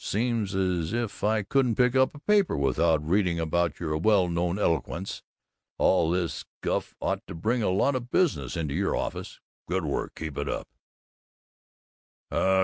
Seems 's if I couldn't pick up a paper without reading about your well known eloquence. All this guff ought to bring a lot of business into your office. Good work! Keep it up!"